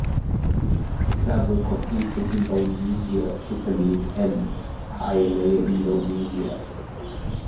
The club will compete in Indonesia Super League and Piala Indonesia.